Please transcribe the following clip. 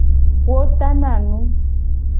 Wo tana nu.